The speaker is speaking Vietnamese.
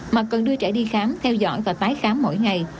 mà còn đưa trẻ đi khám theo dõi và tái khám mỗi ngày